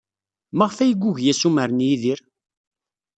Maɣef ay yugi assumer n Yidir?